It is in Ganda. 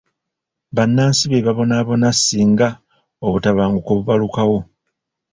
Bannansi be babonaabona singa obutabanguko bubalukawo.